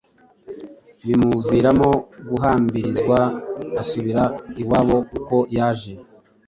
bimuviramo guhambirizwa asubira iwabo uko yaje.